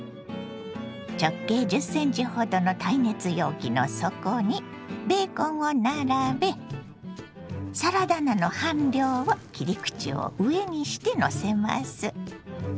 直径１０ｃｍほどの耐熱容器の底にベーコンを並べサラダ菜の半量を切り口を上にしてのせます。